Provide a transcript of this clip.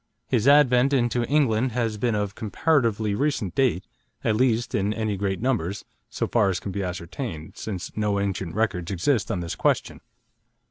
His advent into England has been of comparatively recent date, at least in any great numbers, so far as can be ascertained, since no ancient records exist on this question.